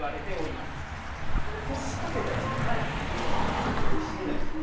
ちょっと大きすぎないですか？